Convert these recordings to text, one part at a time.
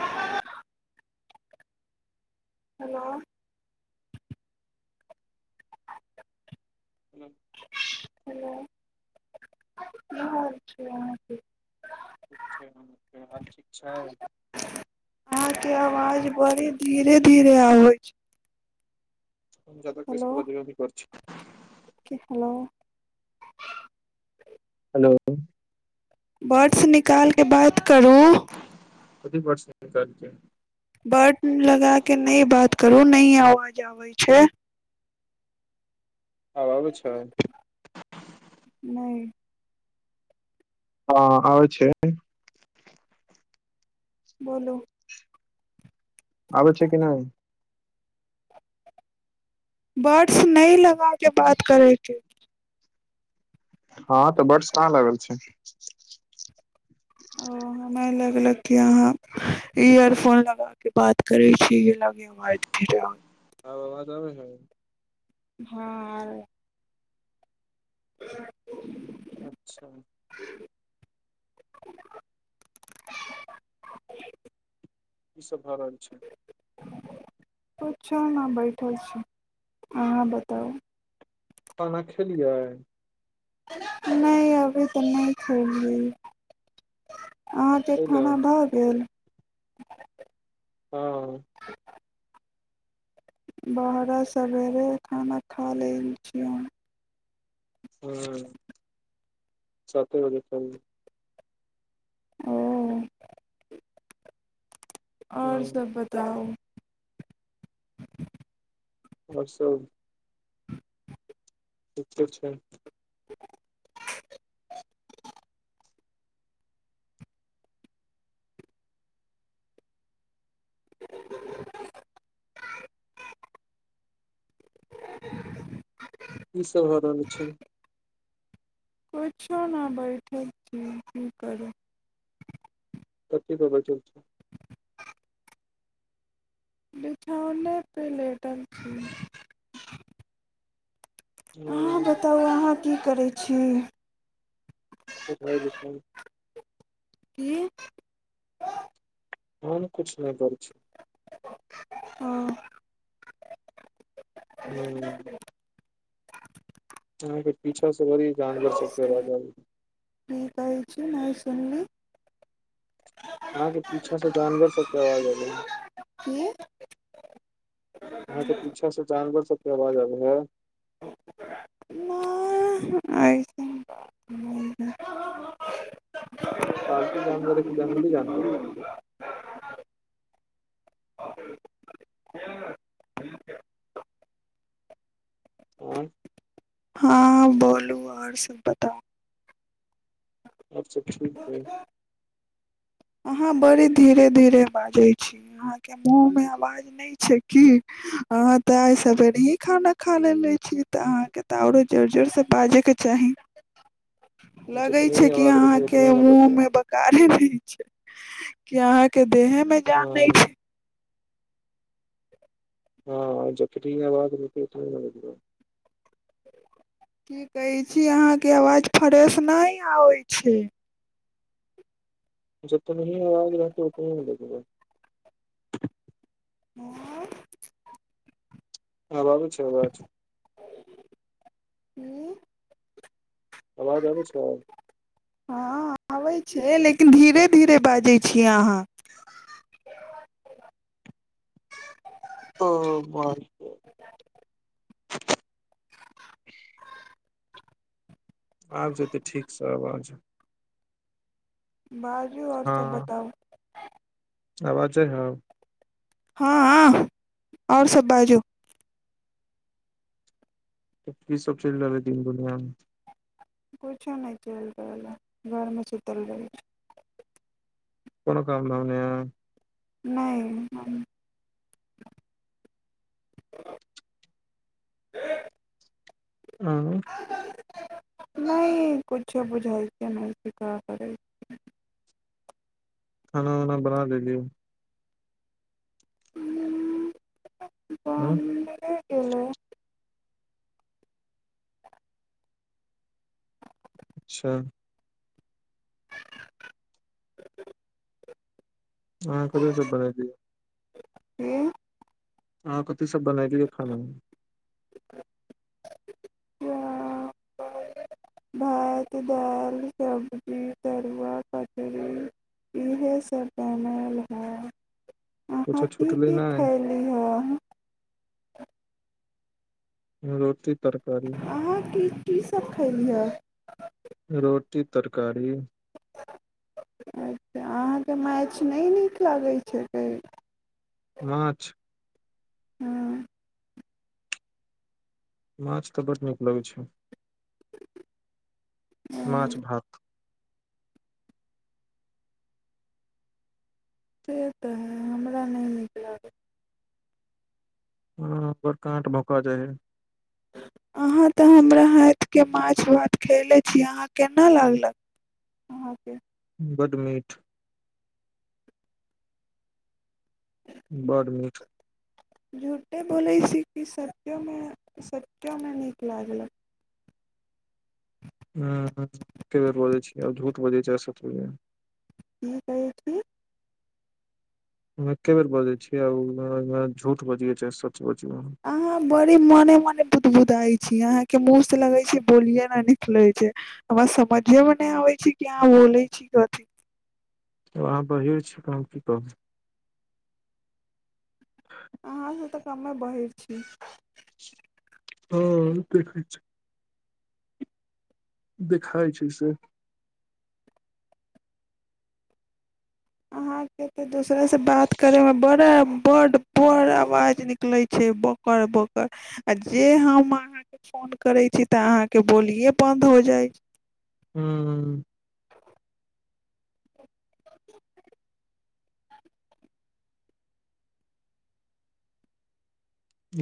आ हेलो ह्म हेलो होर छै ठीक छैके हाल ठीक छै के आवाज बड़ी धीरे धीरे आबै छै हम जतक हेलो इसकु बधी कर छी हेलो हेलो बर से निकाल के बात करू की पस करके बट लगा के नहि बात करू न आवाज आबे छै आब आब छै नहि हँ आ छै बोलो आबै छै कि नहि बर्ड्स नहिं लगााके बात करे किे हँ तऽ बर्डस काँ लागल छै ओ हमरा लगलक कि अहाँ इयरफोन लगा कऽ बात करै छी ई लगे वट फिरा आब आवाज आै छै हँ आर [unintelligible] अच्छा ईसभ भऽ रहल छै पछौ ने बैठल छी अहाँ बताउ खाना खेलिया ह नहि अभी तऽ नहि छोी अहाँके पहिले खाना भऽ गेल [unintelligible] हँ बाहर सवेरे खाना खा ल छियौ ह साते बजे चल ओ आओर सब बताउ बस अच्छा अच्छा [unintelligible] ईसभ हो रहल छै पुछो ने बैठक छी की करू तऽ की कहबै चल छै बिछौने प लेटर छी अहाँ हँ बताउ अहाँ की करैत छी कछइ जत की हमन किछु नहि कर छी हँ [unintelligible] ह अछ से भरी जानवर चके से राज की कहै छी नहि सुनली अहाँके पीछा से जानवर सबके आवाज अले है की अहाँके पीछा से जानवर सब क आवाजबै है [unintelligible] पालतू जानवर एक जंगली जानवर [inaudible] आओर हँ बोलू आओर सब बताउ आब सब ठीक ह अहाँ बड़ी धीरे धीरे बाजै छी अहाँके मुँहमे आवाज नहि छै की अहाँ तऽ आइ सवेरे ही खाना खा लै छी तऽ अहाँके तऽ आओरो जोर जोरसँ बाजयके चाही लगे जितनी ही छै कि आवाज अहाँ रुकी के उतनी न मुँह बजबै मे बकारी भी क अहाँके देहे मे जान नहि हँ छै हँ जकी आ बाज र की कहै छी अहाँके आवाज फ्रेश नहि आबै छै जतनी ही आवाज रह त उतने होै हँ हँ बाबू छै बाब छै ह्म्म आवाज आबै छै ब लेकिन धीरे धीरे बाजै छी अहाँ ओ बस आबि जेयतै ठीकसँ आब आ जाय बाजू आओर सब बताउ आवाजे ह हँ हँ आओर सब बाजू त की सब चल रहलबै दीन दुनियामे किछो नहि चलि रहल हइ घरमे सुीतल रह छै कोनो काम नहिाम नहि नहि हँ नहि किछो बुझै छियै नहि सीखय पै छियै खाना वाना बना ले लियए ब ह हना अच्छा हह क सब बना दिय हू हँ कथी सब बनायकेै खाना ह चावल भात दाल सब्जी तरुआ कछरी इहे सब शामल है किछु छुटल नहि खयली हँ रोटी तरकारी अहाँके कीसभ खलीहे ह रोटी तरकारी अच्छा अहाँके मैच नहि नीक लगै छैक माँछ हँ माछ तऽ बड नीक लगैत छै हँ मछ भात से तऽ है हमरा नहि नीक लागत ह बड़ काठ भका जा ह अहाँ तऽ हमरा हैत के माछ भात खयले छीिय अहाँ केना लागलक अहाँ के बडड मीठ बड मीट झूठे बोलैस किो सचोमे नीक लागलक ह क बेर बजैत छीिय आ झूत बजैत छैसतज की कहै छी एके बेे बजै छी आउ झूट बजि छै स्वच बजियै आब अहाँ बड़ी मने मने बुदबुदाइ छी अहाँके मुँहसँ लगै छै बोलिए न निकलैत छै हमरा समझेमे नहि आबैत छै कि अहाँ बोलै छी कथिी अहाँ बहिर छी त हम की कहू समय बहै छी हँ देखै छै देखाइ छै से अहाँके तऽ दस तोड़ास से बात करे में बड़ हमरा बड्ड बड़ आवाज निकलैत छै बकर बकर आ जे हम अहाँके फोन करैत छी तऽ अहाँके बोलिए बन्द हो जाइ छै हँ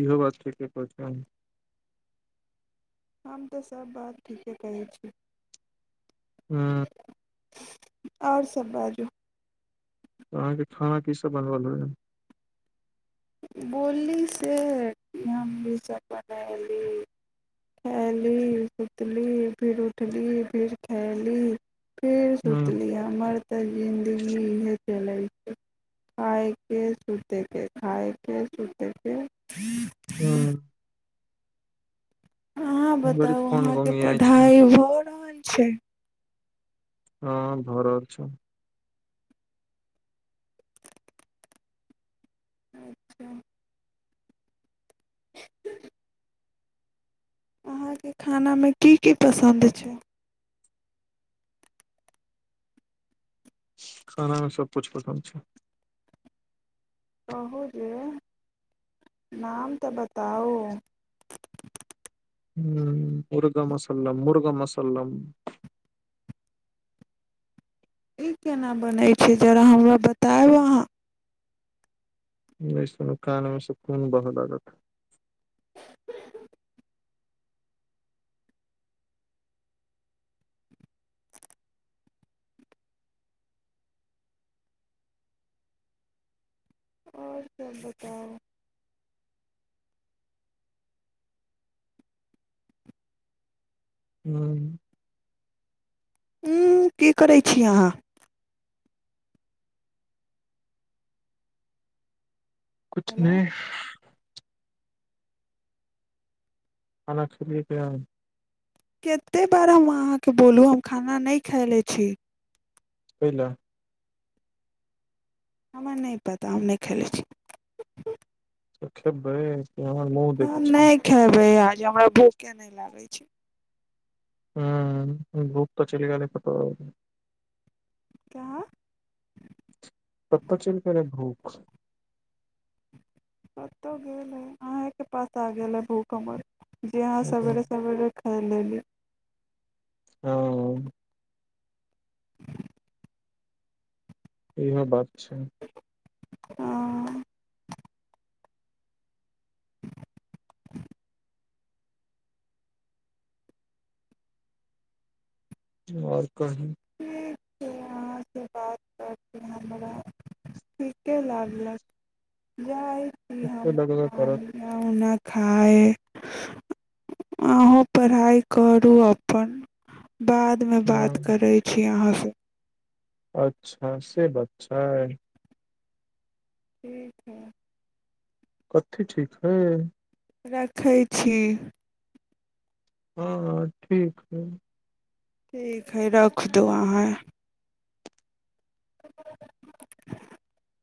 इहो बातथ प्रचान हम तऽ सभ बात ठीके कहैत छी हँ आओर सभ बाजू तऽ अहाँके खाना कीसभ बनबल रह हन बोलली से हम भसभ बनयली खयली सुतली फेर उठली फेर खयली फेर हुं सुतली हमर तऽ जिन्दगी हे चल खायके सतैके खाायके सुतेके हँ अहाँ बड़ी बताउ फोन अहाके घोंघियाइ छै पढ़ाई भ रहल छै हँ भरर छ अच्छा [unintelligible] अहाँके खानामे की की पसन्द छै खानामे सभकिछु पसन्द छै कहू जे नाम तऽ बताउ ह मुर्गा मसलम मुर्गम मसलम ई केना बनै छै जरा हमरा बतायब अहाँ नहि सुन कानमे सुकून बहऽ लागत ह आओर सब बताउ हँ ह की करै छी अहाँ कछ हेलो नहि अल सुलियके कतेक बार हम अहाँकेँ बोलू हम खाना नहि खायले छी पहिल हमरा नहि पता हम नहि खेलै छी सु खबे हँ नहि खाबै जे हमरा भूखे नहि लागै छै ह भूप तऽ चलि गेल फटो क्य तत्त चल कर भू [unintelligible] कतहु गेल है अहेँके पास आ गेल है भूखमवर जी हं सवेरे सवेरे रखा ह नहिल ह इहो बात छै हँ आओर कह ठीक छै अहाँसँ बात करती हमरा ठीके लागलक जाय एते लगबे करत ान खाय को पढ़ाइ करू अपन बाद में बात हँ करे छी अहााँ ह अच्छा से अच्छा है ठीक हइ कथी ठीक है रखै छी हँ ठीक है ठीक हइ रख दू अहाँ ह